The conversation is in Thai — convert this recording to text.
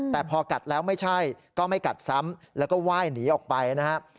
แต่พอกัดแล้วไม่ใช่ก็ไม่กัดซ้ำแล้วก็ไหว้หนีออกไปนะครับ